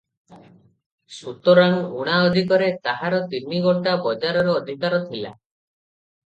ସୁତରାଂ, ଉଣା ଅଧିକରେ ତାହାର ତିନି ଗୋଟା ବଜାରରେ ଅଧିକାର ଥିଲା